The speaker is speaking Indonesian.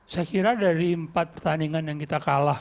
saya kira dari empat pertandingan yang kita kalah